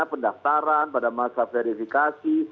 pendaftaran pada masa verifikasi